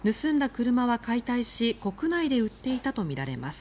車は解体し国内で売っていたとみられます。